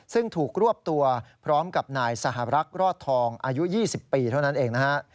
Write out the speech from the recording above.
ซึ่งถูกรวบตัวพร้อมกับนายสหรักษ์รอดทองอายุ๒๐ปีเท่านั้นเองนะฮะ